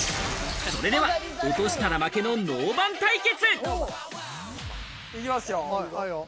それでは落としたら負けのノーバン対決。